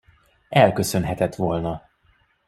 Elköszönhetett volna!